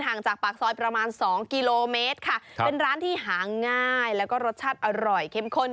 จากปากซอยประมาณสองกิโลเมตรค่ะเป็นร้านที่หาง่ายแล้วก็รสชาติอร่อยเข้มข้น